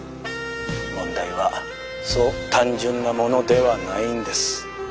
問題はそう単純なものではないんです」。